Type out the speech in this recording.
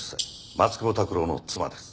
松久保拓郎の妻です。